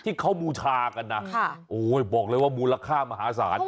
ที่เขาบูชากันนะโอ้ยบอกเลยว่ามูลค่ามหาศาล